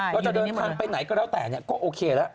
เราจะเดินทางไปไหนก็แล้วแต่ก็โอเคแล้ว